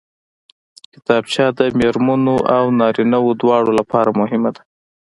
کتابچه د مېرمنو او نارینوو دواړو لپاره مهمه ده